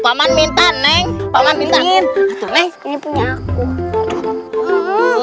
paman minta neng paman minta ini punya aku